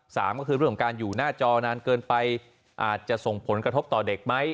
สามก็คือเรื่องของการอยู่หน้าจอนานเกินไปอาจจะส่งผลกระทบต่อเด็กไหม